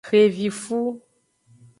Xevifu.